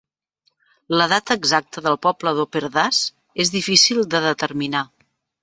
L'edat exacta del poble d'Opperdoes és difícil de determinar.